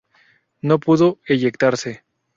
No pudo eyectarse.